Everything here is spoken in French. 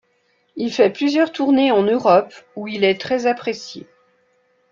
Il fait plusieurs tournées en Europe où il est très apprécié.